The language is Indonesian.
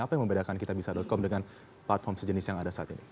apa yang membedakan kitabisa com dengan platform sejenis yang ada saat ini